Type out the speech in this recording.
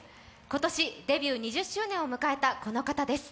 今年、デビュー２０周年を迎えたこの方です。